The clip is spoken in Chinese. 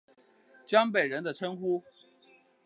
江北人的称呼。